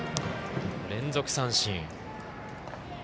連続三振。